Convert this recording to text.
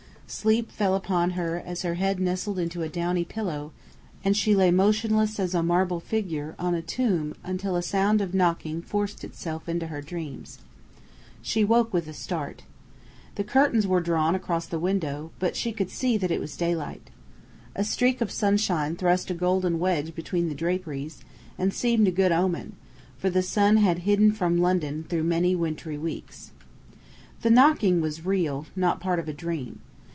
Sleep fell upon her as her head nestled into a downy pillow, and she lay motionless as a marble figure on a tomb until a sound of knocking forced itself into her dreams. She waked with a start. The curtains were drawn across the window, but she could see that it was daylight. A streak of sunshine thrust a golden wedge between the draperies, and seemed a good omen: for the sun had hidden from London through many wintry weeks. The knocking was real, not part of a dream.